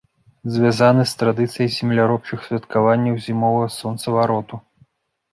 Звязаны з традыцыяй земляробчых святкаванняў зімовага сонцавароту.